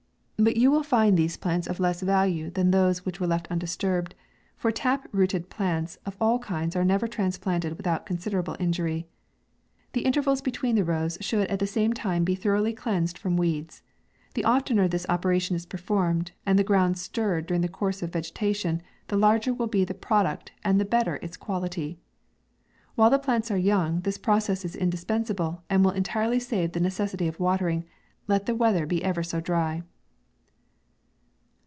But you will find these roots of less value than those which )i.\\. 87 were left undisturbed ; for tap rooted plants of all kinds are never transplanted without considerable injury. The intervals between the rows should at the same time be thorough ly cleansed from w r eeds. The oftener this operation is performed, and the ground stir red during the course of vegetation, the larg er will be the product, and the better its quality. While the plants are young, this process is indispensable, and will entirely save the necessity of watering, let the wea ther be ever so dry.